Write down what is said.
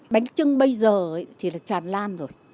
bánh trưng bây giờ thì là tràn lan rồi